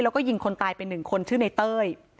แล้วก็ยิงคนตายไปหนึ่งคนชื่อในเต้ย